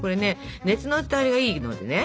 熱の伝わりがいいのでね